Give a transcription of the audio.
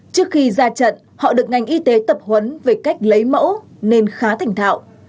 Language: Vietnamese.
trước khi ra trận họ được ngành y tế tập huấn về cách lấy mẫu nên khá thành thạo